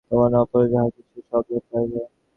যখন চৈতন্য সত্তার বোধ হইবে, তখন অপর যাহা কিছু সব লোপ পাইবে।